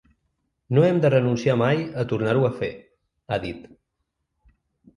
“No hem de renunciar mai a tornar-ho a fer”, ha dit.